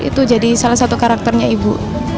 itu jadi salah satu karakternya ibu